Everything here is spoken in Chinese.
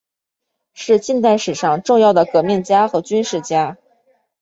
是近代史上重要的革命家和军事家。